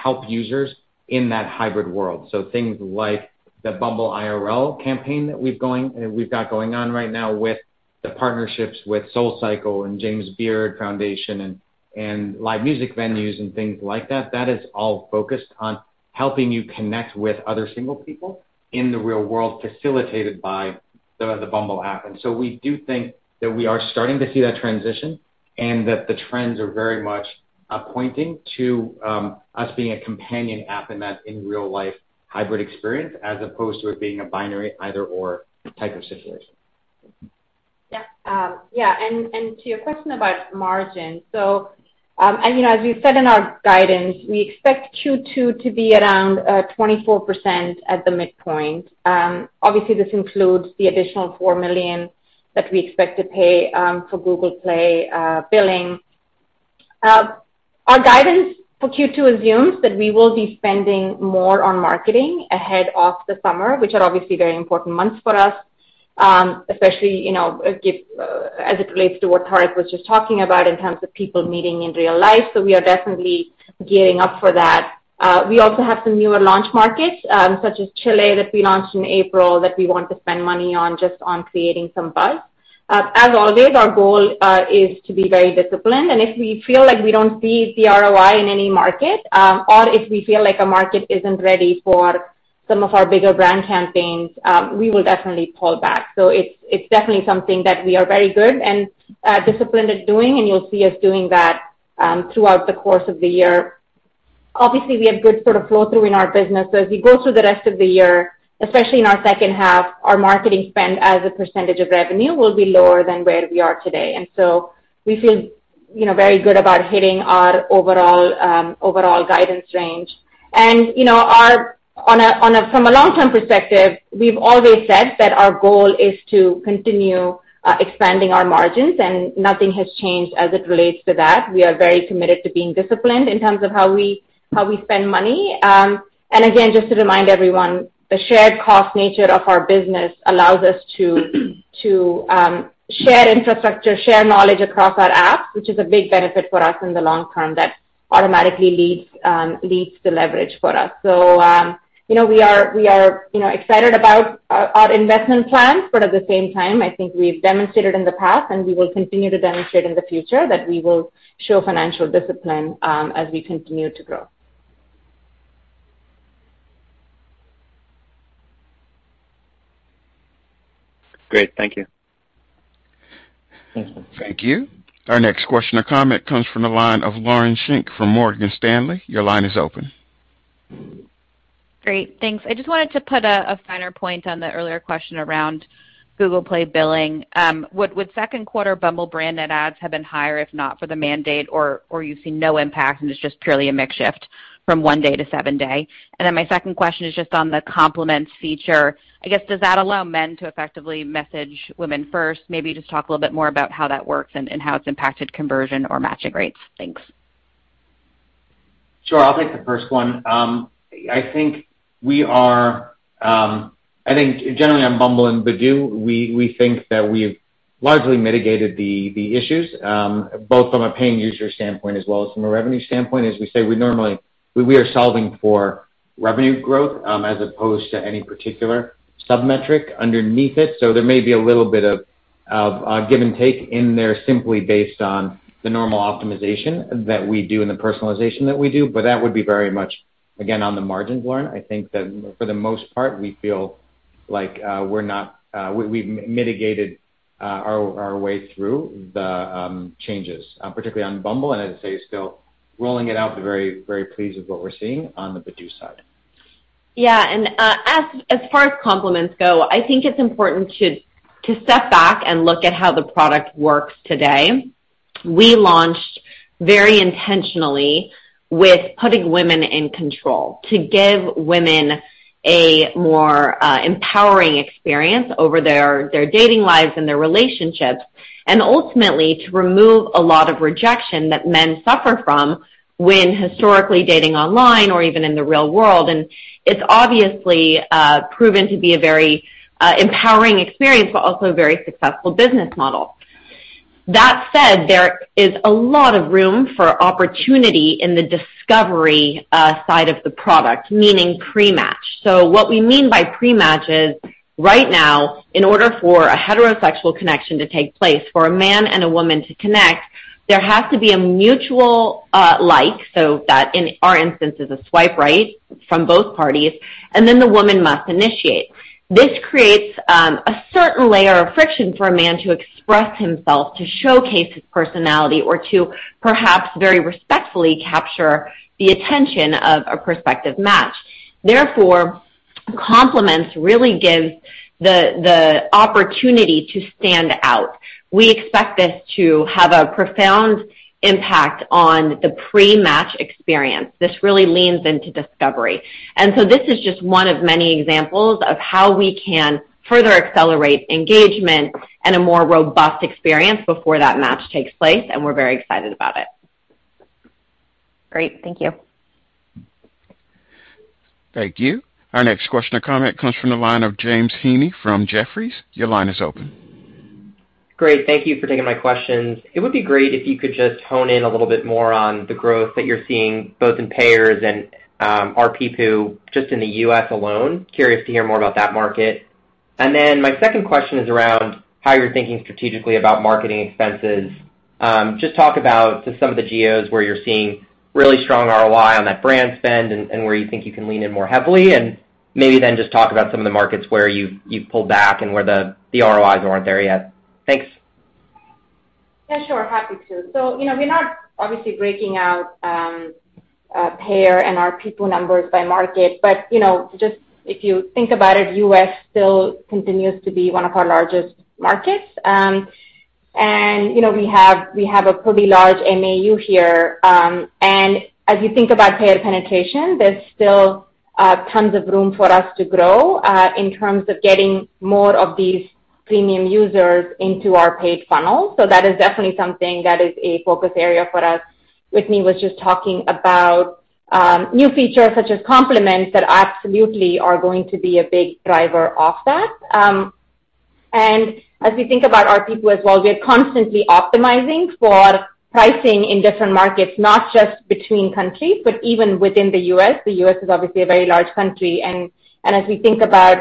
help users in that hybrid world. Things like the Bumble IRL campaign that we've got going on right now with the partnerships with SoulCycle and James Beard Foundation and live music venues and things like that is all focused on helping you connect with other single people in the real world, facilitated by the Bumble app. We do think that we are starting to see that transition and that the trends are very much pointing to us being a companion app in that real life hybrid experience as opposed to it being a binary either/or type of situation. Yeah, yeah. To your question about margin. I mean, as we said in our guidance, we expect Q2 to be around 24% at the midpoint. Obviously, this includes the additional $4 million that we expect to pay for Google Play billing. Our guidance for Q2 assumes that we will be spending more on marketing ahead of the summer, which are obviously very important months for us, especially, you know, as it relates to what Tariq was just talking about in terms of people meeting in real life. We are definitely gearing up for that. We also have some newer launch markets, such as Chile that we launched in April that we want to spend money on just on creating some buzz. As always, our goal is to be very disciplined. If we feel like we don't see the ROI in any market, or if we feel like a market isn't ready for some of our bigger brand campaigns, we will definitely pull back. It's definitely something that we are very good and disciplined at doing, and you'll see us doing that throughout the course of the year. Obviously, we have good sort of flow through in our business. As we go through the rest of the year, especially in our second half, our marketing spend as a percentage of revenue will be lower than where we are today. We feel, you know, very good about hitting our overall guidance range. From a long-term perspective, we've always said that our goal is to continue expanding our margins, and nothing has changed as it relates to that. We are very committed to being disciplined in terms of how we spend money. Again, just to remind everyone, the shared cost nature of our business allows us to share infrastructure, share knowledge across our apps, which is a big benefit for us in the long term that automatically leads to leverage for us. You know, we are excited about our investment plans, but at the same time, I think we've demonstrated in the past, and we will continue to demonstrate in the future that we will show financial discipline as we continue to grow. Great. Thank you. Thank you. Our next question or comment comes from the line of Lauren Schenk from Morgan Stanley. Your line is open. Great. Thanks. I just wanted to put a finer point on the earlier question around Google Play billing. Would second quarter Bumble branded ads have been higher if not for the mandate or you've seen no impact and it's just purely a mix shift from 1 day to 7 day? My second question is just on the Compliments feature. I guess, does that allow men to effectively message women first? Maybe just talk a little bit more about how that works and how it's impacted conversion or matching rates. Thanks. Sure. I'll take the first one. I think generally on Bumble and Badoo, we think that we've largely mitigated the issues, both from a paying user standpoint as well as from a revenue standpoint. As we say, we are solving for revenue growth, as opposed to any particular sub-metric underneath it. There may be a little bit of give and take in there simply based on the normal optimization that we do and the personalization that we do, but that would be very much again, on the margins, Lauren. I think that for the most part, we feel like we've mitigated our way through the changes, particularly on Bumble. As I say, still rolling it out, but very, very pleased with what we're seeing on the Badoo side. As far as compliments go, I think it's important to step back and look at how the product works today. We launched very intentionally with putting women in control to give women a more empowering experience over their dating lives and their relationships, and ultimately to remove a lot of rejection that men suffer from when historically dating online or even in the real world. It's obviously proven to be a very empowering experience, but also a very successful business model. That said, there is a lot of room for opportunity in the discovery side of the product, meaning pre-match. What we mean by pre-match is right now, in order for a heterosexual connection to take place for a man and a woman to connect, there has to be a mutual, like, so that in our instance is a swipe right from both parties, and then the woman must initiate. This creates a certain layer of friction for a man to express himself, to showcase his personality, or to perhaps very respectfully capture the attention of a prospective match. Therefore, Compliments really gives the opportunity to stand out. We expect this to have a profound impact on the pre-match experience. This really leans into discovery. This is just one of many examples of how we can further accelerate engagement and a more robust experience before that match takes place, and we're very excited about it. Great. Thank you. Thank you. Our next question or comment comes from the line of James Heaney from Jefferies. Your line is open. Great. Thank you for taking my questions. It would be great if you could just hone in a little bit more on the growth that you're seeing both in payers and RPPU just in the U.S. alone. Curious to hear more about that market. Then my second question is around how you're thinking strategically about marketing expenses. Just talk about just some of the geos where you're seeing really strong ROI on that brand spend and where you think you can lean in more heavily, and maybe then just talk about some of the markets where you've pulled back and where the ROIs aren't there yet. Thanks. Yeah, sure. Happy to. You know, we're not obviously breaking out payer and our paying numbers by market, but you know, just if you think about it, U.S. still continues to be one of our largest markets. You know, we have a pretty large MAU here. As you think about payer penetration, there's still tons of room for us to grow in terms of getting more of these premium users into our paid funnel. That is definitely something that is a focus area for us. Whitney was just talking about new features such as Compliments that absolutely are going to be a big driver of that. As we think about our paying as well, we are constantly optimizing for pricing in different markets, not just between countries, but even within the U.S. The U.S. is obviously a very large country. As we think about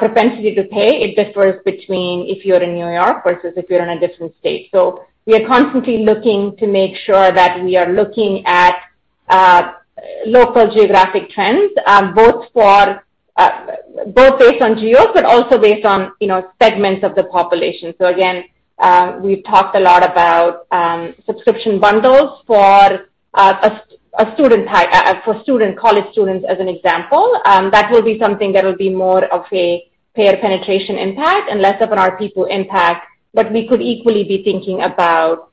propensity to pay, it differs between if you're in New York versus if you're in a different state. We are constantly looking to make sure that we are looking at local geographic trends, both based on geos but also based on, you know, segments of the population. Again, we've talked a lot about subscription bundles for a student type, college students as an example. That will be something more of a payer penetration impact and less of an RPPU impact. We could equally be thinking about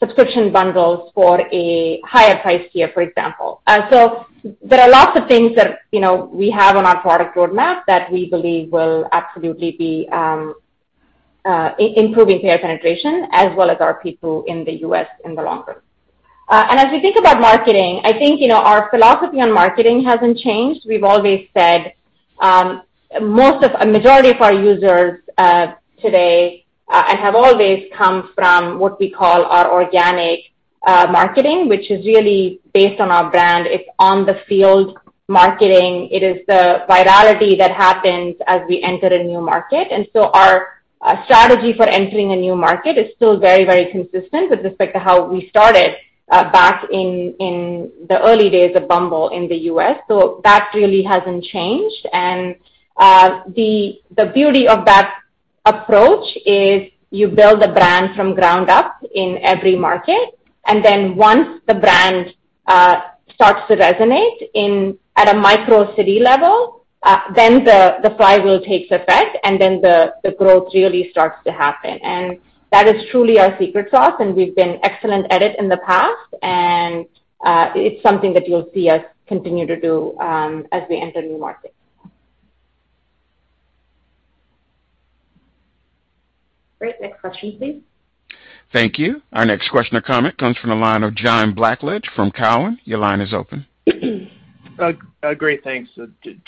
subscription bundles for a higher price tier, for example. There are lots of things that, you know, we have on our product roadmap that we believe will absolutely be improving payer penetration as well as our penetration in the U.S. in the long term. As we think about marketing, I think, you know, our philosophy on marketing hasn't changed. We've always said a majority of our users today have always come from what we call our organic marketing, which is really based on our brand. It's on-the-field marketing. It is the virality that happens as we enter a new market. Our strategy for entering a new market is still very, very consistent with respect to how we started back in the early days of Bumble in the U.S. That really hasn't changed. The beauty of that approach is you build a brand from ground up in every market. Then once the brand starts to resonate in at a micro city level, then the flywheel takes effect, and then the growth really starts to happen. That is truly our secret sauce, and we've been excellent at it in the past. It's something that you'll see us continue to do as we enter new markets. Great. Next question, please. Thank you. Our next question or comment comes from the line of John Blackledge from Cowen. Your line is open. Great. Thanks.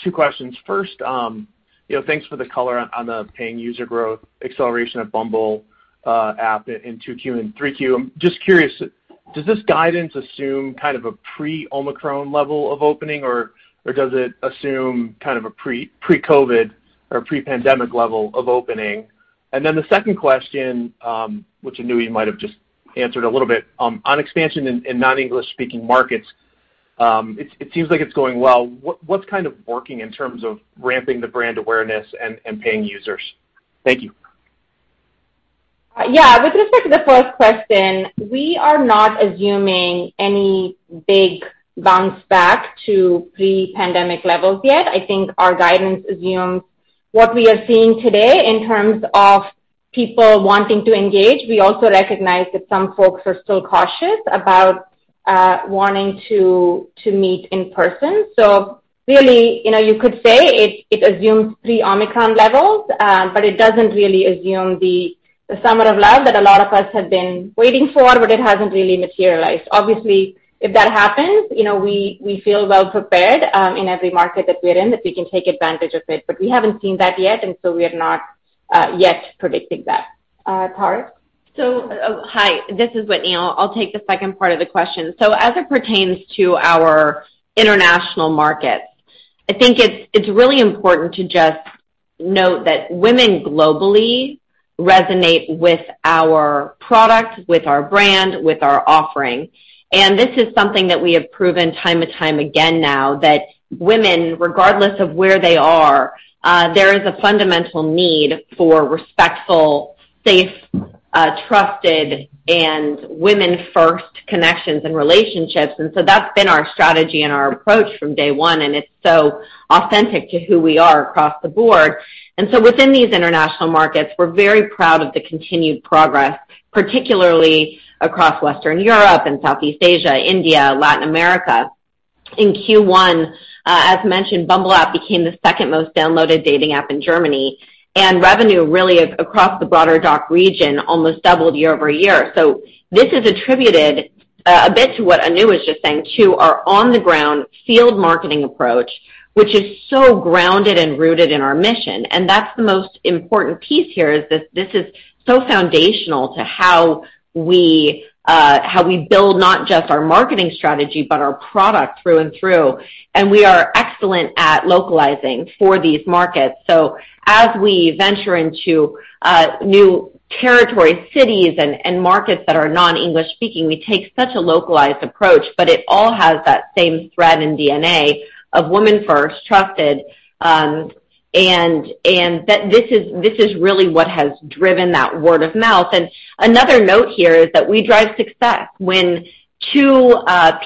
Two questions. First, you know, thanks for the color on the paying user growth acceleration of Bumble app in 2Q and 3Q. I'm just curious, does this guidance assume kind of a pre-Omicron level of opening, or does it assume kind of a pre-COVID or pre-pandemic level of opening? The second question, which I know you might have just answered a little bit, on expansion in non-English speaking markets, it seems like it's going well. What's kind of working in terms of ramping the brand awareness and paying users? Thank you. Yeah. With respect to the first question, we are not assuming any big bounce back to pre-pandemic levels yet. I think our guidance assumes what we are seeing today in terms of people wanting to engage. We also recognize that some folks are still cautious about wanting to meet in person. Really, you know, you could say it assumes pre-Omicron levels, but it doesn't really assume the summer of love that a lot of us have been waiting for, but it hasn't really materialized. Obviously, if that happens, you know, we feel well prepared in every market that we're in that we can take advantage of it. We haven't seen that yet, and so we are not yet predicting that. Whitney Wolfe Herd? Hi. This is Whitney. I'll take the second part of the question. As it pertains to our international markets, I think it's really important to just note that women globally resonate with our product, with our brand, with our offering. This is something that we have proven time and time again now that women, regardless of where they are, there is a fundamental need for respectful, safe, trusted, and women-first connections and relationships. That's been our strategy and our approach from day one, and it's so authentic to who we are across the board. Within these international markets, we're very proud of the continued progress, particularly across Western Europe and Southeast Asia, India, Latin America. In Q1, as mentioned, Bumble app became the second most downloaded dating app in Germany, and revenue really across the broader DACH region almost doubled year-over-year. This is attributed a bit to what Anu was just saying too, our on-the-ground field marketing approach, which is so grounded and rooted in our mission. That's the most important piece here, this is so foundational to how we build not just our marketing strategy, but our product through and through. We are excellent at localizing for these markets. As we venture into new territory, cities and markets that are non-English speaking, we take such a localized approach, but it all has that same thread and DNA of women first, trusted, and that this is really what has driven that word of mouth. Another note here is that we drive success. When two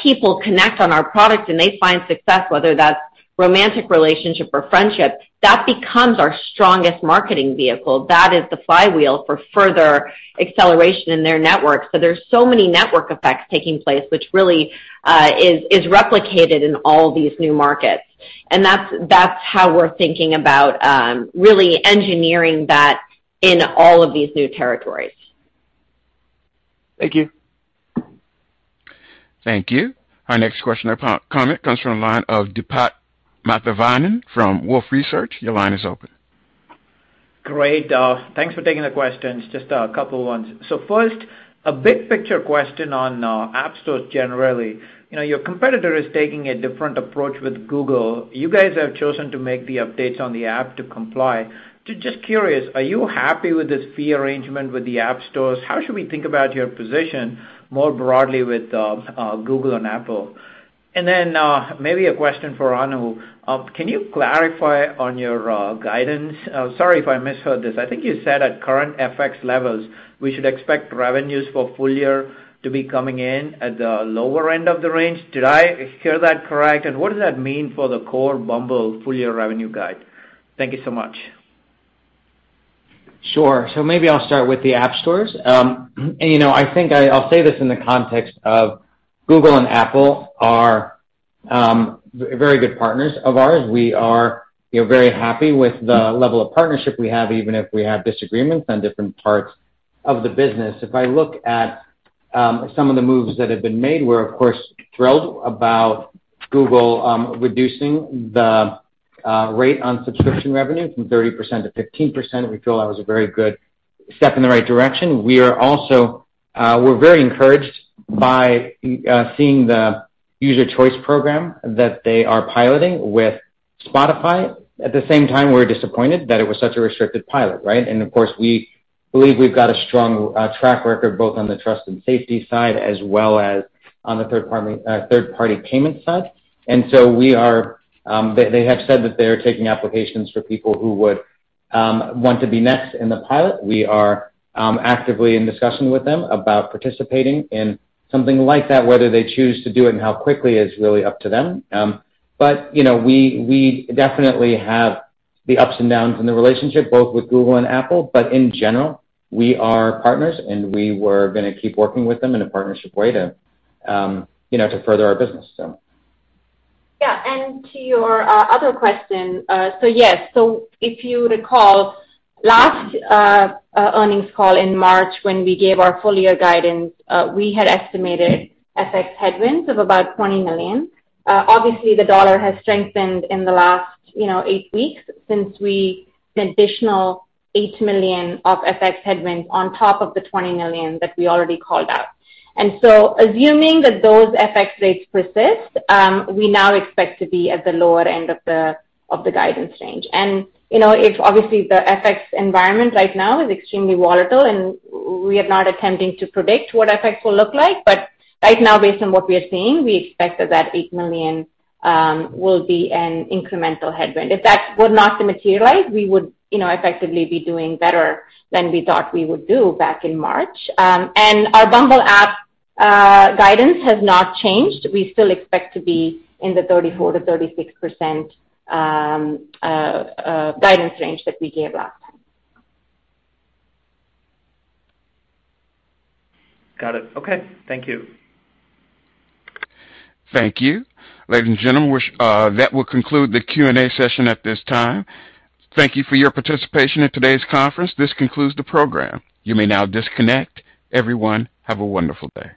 people connect on our product and they find success, whether that's romantic relationship or friendship, that becomes our strongest marketing vehicle. That is the flywheel for further acceleration in their network. There's so many network effects taking place, which really is replicated in all these new markets. That's how we're thinking about really engineering that in all of these new territories. Thank you. Thank you. Our next question or comment comes from the line of Deepak Mathivanan from Wolfe Research. Your line is open. Great. Thanks for taking the questions. Just a couple ones. First, a big picture question on app stores generally. You know, your competitor is taking a different approach with Google. You guys have chosen to make the updates on the app to comply. Just curious, are you happy with this fee arrangement with the app stores? How should we think about your position more broadly with Google and Apple? And then, maybe a question for Anu. Can you clarify on your guidance? Sorry if I misheard this. I think you said at current FX levels, we should expect revenues for full year to be coming in at the lower end of the range. Did I hear that correct? And what does that mean for the core Bumble full year revenue guide? Thank you so much. Sure. Maybe I'll start with the app stores. You know, I think I'll say this in the context of Google and Apple are very good partners of ours. We are, you know, very happy with the level of partnership we have, even if we have disagreements on different parts of the business. If I look at some of the moves that have been made, we're of course thrilled about Google reducing the rate on subscription revenue from 30% to 15%. We feel that was a very good step in the right direction. We're very encouraged by seeing the user choice program that they are piloting with Spotify. At the same time, we're disappointed that it was such a restricted pilot, right? Of course, we believe we've got a strong track record, both on the trust and safety side, as well as on the third-party payment side. They have said that they're taking applications for people who would want to be next in the pilot. We are actively in discussion with them about participating in something like that. Whether they choose to do it and how quickly is really up to them. You know, we definitely have the ups and downs in the relationship, both with Google and Apple, but in general, we are partners, and we were gonna keep working with them in a partnership way to you know, further our business. Yeah. To your other question. Yes. If you recall last earnings call in March, when we gave our full year guidance, we had estimated FX headwinds of about $20 million. Obviously, the dollar has strengthened in the last, you know, eight weeks since we did additional $8 million of FX headwinds on top of the $20 million that we already called out. Assuming that those FX rates persist, we now expect to be at the lower end of the guidance range. You know, obviously, the FX environment right now is extremely volatile, and we are not attempting to predict what FX will look like, but right now, based on what we are seeing, we expect that $8 million will be an incremental headwind. If that were not to materialize, we would, you know, effectively be doing better than we thought we would do back in March. Our Bumble app guidance has not changed. We still expect to be in the 34%-36% guidance range that we gave last time. Got it. Okay. Thank you. Thank you. Ladies and gentlemen, with that will conclude the Q&A session at this time. Thank you for your participation in today's conference. This concludes the program. You may now disconnect. Everyone, have a wonderful day.